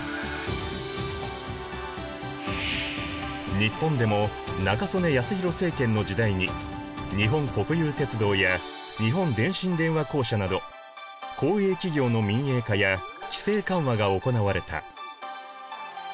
日本でも中曽根康弘政権の時代に日本国有鉄道や日本電信電話公社など公営企業の民営化や規制緩和が行われた。